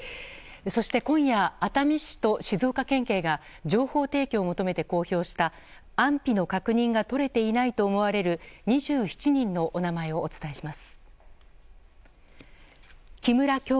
そして今夜熱海市と静岡県警が情報提供を求めて公表した安否の確認が取れていないと思われる２７人のお名前をお伝えします。